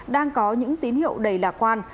đang có những tín hiệu đầy lạc quan